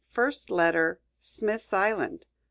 FIRST LETTER. SMITH'S ISLAND.